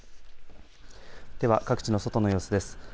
では各地の外の様子です。